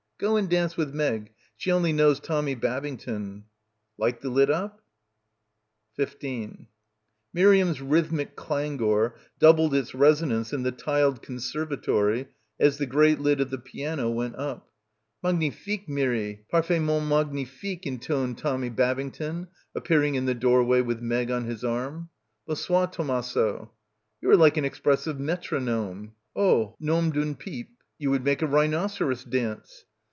"Go and dance with Meg. She only knows Tommy Babington." "Like the lid up?" 15 Miriam's rhythmic clangour doubled its reso nance in the tiled conservatory as the great lid of the piano went up. "Magnifique, Mirry, parfaitement magnifique," intoned Tommy Babington, appearing in the doorway with Meg on his arm. "Bonsoir, Tomasso." "You are like an expressive metronome." "Oh — nom d'un pipe." — 57 — PILGRIMAGE "You would make a rhinoceros dance."